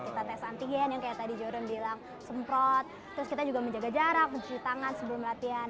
kita tes antigen yang kayak tadi jorin bilang semprot terus kita juga menjaga jarak mencuci tangan sebelum latihan